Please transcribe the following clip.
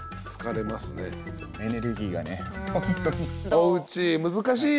おうち難しいよ。